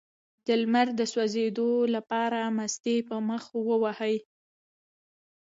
د لمر د سوځیدو لپاره مستې په مخ ووهئ